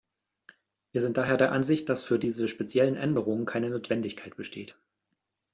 Wir sind daher der Ansicht, dass für diese speziellen Änderungen keine Notwendigkeit besteht.